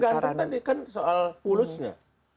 itu kan tergantung tadi kan soal pulusnya